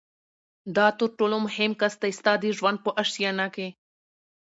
دا تر ټولو مهم کس دی ستا د ژوند په آشیانه کي